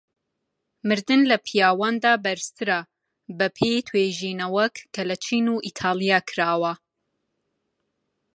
مردن لە پیاواندا بەرزترە بەپێی توێژینەوەک کە لە چین و ئیتاڵیا کراوە.